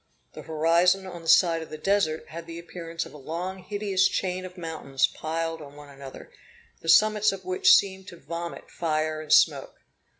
The horizon on the side of the Desert had the appearance of a long hideous chain of mountains piled on one another, the summits of which seemed to vomit fire and smoke.